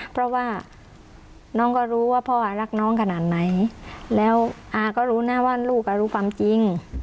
เพราะว่าน้องก็รู้ว่าพ่ออารักน้องขนาดไหนแล้วอาก็รู้นะว่าลูกอ่ะรู้ความจริง